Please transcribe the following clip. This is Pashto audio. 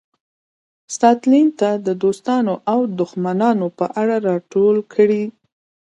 ستالین ته د دوستانو او دښمنانو په اړه راټول کړي.